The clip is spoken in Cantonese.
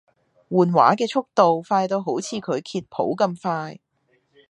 換畫嘅速度快到好似佢揭譜咁快